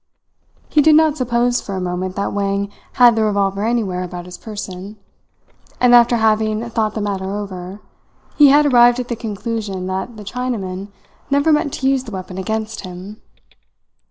He did not suppose for a moment that Wang had the revolver anywhere about his person; and after having thought the matter over, he had arrived at the conclusion that the Chinaman never meant to use the weapon against him.